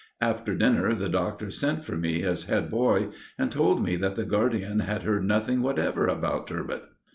After dinner the Doctor sent for me, as head boy, and told me that the guardian had heard nothing whatever about "Turbot."